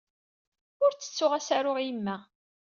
Ur ttettuɣ ad as-aruɣ i yemma.